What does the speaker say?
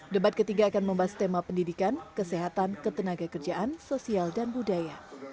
debat ketiga akan membahas tema pendidikan kesehatan ketenaga kerjaan sosial dan budaya